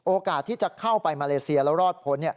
โอกาสที่จะเข้าไปมาเลเซียแล้วรอดพ้น